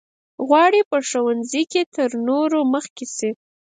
غواړي په ښوونځي کې تر نورو مخکې شي.